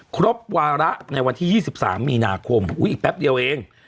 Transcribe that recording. ครบวาระในวันที่๒๓มีนาคมอีกแป๊บเดียวเอง